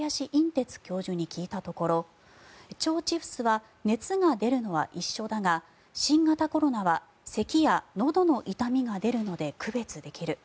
てつ教授に聞いたところ腸チフスは熱が出るのは一緒だが新型コロナはせきやのどの痛みが出るので区別できる。